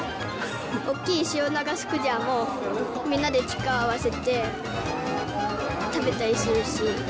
大きいシロナガスクジラもみんなで力を合わせて食べたりするし。